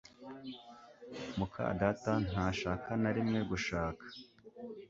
muka data ntashaka na rimwe gushaka